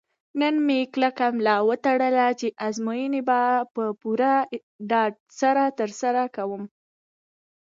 نن مې کلکه ملا وتړله چې ازموینې به په پوره ډاډ سره ترسره کوم.